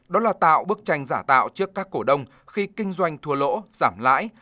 đó là tạo bức tranh giả tạo trước các cổ đông khi kinh doanh thua lỗ giảm lãi